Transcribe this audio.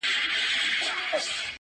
دوی پښتون غزل منلی په جهان دی,